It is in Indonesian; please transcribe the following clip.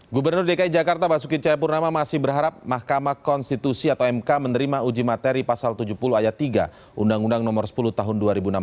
gubernur dki jakarta basuki cahayapurnama masih berharap mahkamah konstitusi atau mk menerima uji materi pasal tujuh puluh ayat tiga undang undang nomor sepuluh tahun dua ribu enam belas